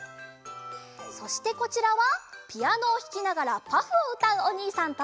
そしてこちらはピアノをひきながら「パフ」をうたうおにいさんと。